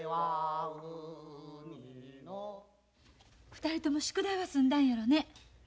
２人とも宿題は済んだんやろね？